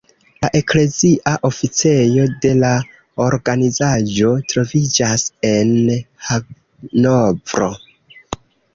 La eklezia oficejo de la organizaĵo troviĝas en Hanovro.